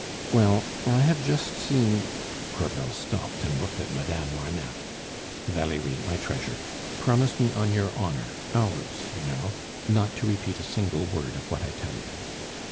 "Well, I have just seen " Crevel stopped and looked at Madame Marneffe. "Valerie, my treasure, promise me on your honor ours, you know? not to repeat a single word of what I tell you."